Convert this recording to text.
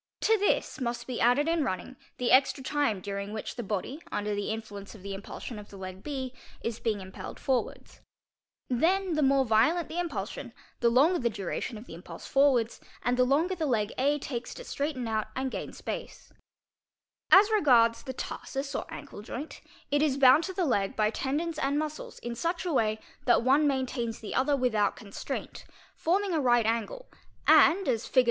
To this must be added in running the extra time during which the body under the influence of the impulsion of the leg B is being impelled forwards. Then ee. 65 514 FOOTPRINTS the more violent the impulsion, the longer the duration of the impulse forwards and the longer the leg A takes to straighten out and gain spe As regards the tarsus or ankle joint, it is bound to the leg by tendons | and muscles in such a way that one maintains the other without constraint, ¢ +h forming a right angle, and, as Fig.